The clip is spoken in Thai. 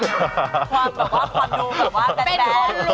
ความดูแบบว่าแบน